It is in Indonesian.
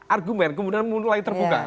argumen kemudian mulai terbuka